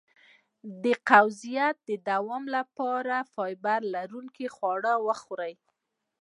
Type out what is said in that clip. د قبضیت د دوام لپاره فایبر لرونکي خواړه وخورئ